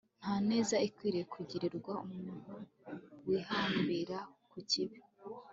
nta neza ikwiye kugirirwa umuntu wihambira ku kibi